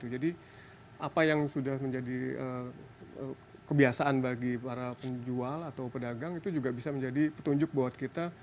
jadi apa yang sudah menjadi kebiasaan bagi para penjual atau pedagang itu juga bisa menjadi petunjuk buat kita